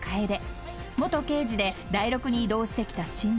［元刑事でダイロクに移動してきた新人］